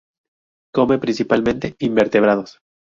Come principalmente invertebrados.